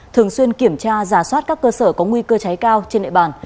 thường xuyên kiểm tra giả soát các cơ sở có nguy cơ cháy cao trên địa bàn